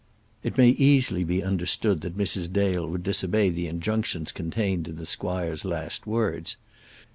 It may easily be understood that Mrs. Dale would disobey the injunctions contained in the squire's last words.